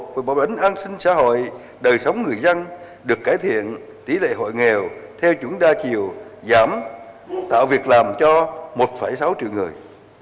về bảo lãnh an sinh xã hội đời sống người dân được cải thiện tỷ lệ hội nghèo theo chuẩn đa chiều giảm tạo việc làm cho một sáu triệu người